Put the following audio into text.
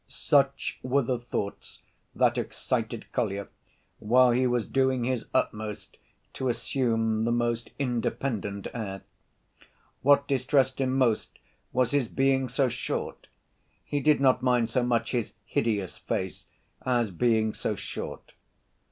Such were the thoughts that excited Kolya while he was doing his utmost to assume the most independent air. What distressed him most was his being so short; he did not mind so much his "hideous" face, as being so short.